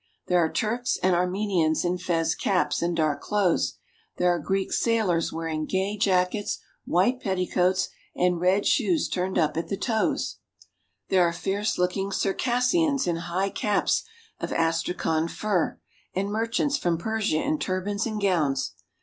There are Turks and Armenians in fez caps and dark clothes ; there are Greek sailors wearing gay jackets, white petticoats, and red shoes turned up at the toes ; there are fierce looking Circassians in high caps of astra khan fur, and merchants from Persia in turbans and gowns.